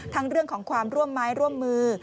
เรื่องของความร่วมไม้ร่วมมือ